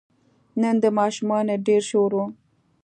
نن د ماشومانو ډېر شور و.